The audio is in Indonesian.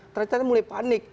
ternyata mulai panik